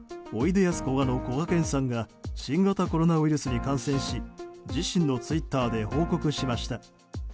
おいでやすこがのこがけんさんが新型コロナウイルスに感染し自身のツイッターで報告しました。